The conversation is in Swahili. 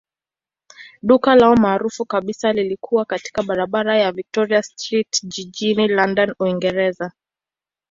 Duka lao maarufu kabisa lilikuwa katika barabara ya Victoria Street jijini London, Uingereza.